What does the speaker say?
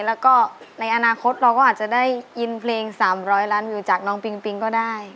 แล้วก็ในอนาคตเราก็อาจจะได้ยินเพลง๓๐๐ล้านวิวจากน้องปิงปิงก็ได้